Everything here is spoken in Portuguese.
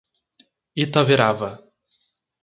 Itaverava